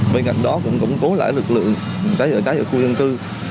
bên cạnh đó cũng củng cố lại lực lượng cháy chữa cháy ở khu dân cư